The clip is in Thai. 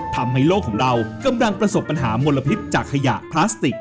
ทำให้โลกของเรากำลังประสบปัญหามลพิษจากขยะพลาสติก